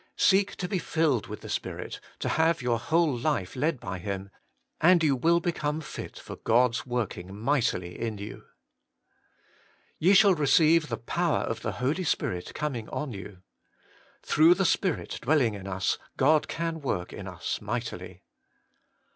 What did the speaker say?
Seek to be filled with the Spirit, to have your whole life led by Him, and you will become fit for God's working mightily in you. 3. ' Ye shall receive the power of the Holy Spirit coming on you.' Through the Spirit dwell ing in us God can work in us mightily.